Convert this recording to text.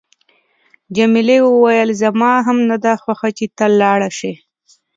جميلې وويل: زما هم نه ده خوښه چې ته لاړ شې.